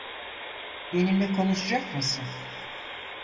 Benimle konuşacak mısın?